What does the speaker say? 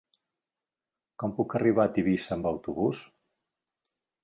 Com puc arribar a Tivissa amb autobús?